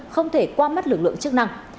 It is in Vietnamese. không thể qua mắt lực lượng chất năng